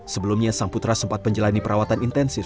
sebelumnya sang putra sempat menjalani perawatan intensif